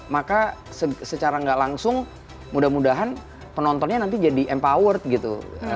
maka secara nggak langsung mudah mudahan penontonnya nanti jadi empower gitu